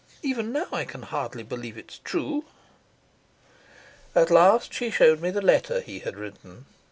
Even now I can hardly believe it's true." At last she showed me the letter he had written.